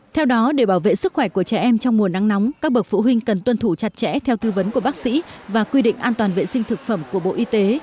theo đó để bảo vệ sức khỏe của trẻ em trong mùa nắng nóng các bậc phụ huynh cần tuân thủ chặt chẽ theo tư vấn của bác sĩ và quy định an toàn vệ sinh thực phẩm của bộ y tế